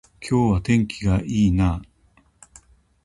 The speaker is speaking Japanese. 今日は天気が良いなあ